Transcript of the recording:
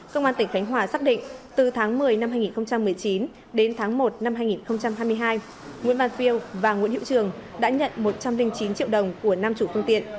công an tỉnh khánh hòa xác định từ tháng một mươi năm hai nghìn một mươi chín đến tháng một năm hai nghìn hai mươi hai nguyễn văn phiêu và nguyễn hiệu trường đã nhận một trăm linh chín triệu đồng của năm chủ phương tiện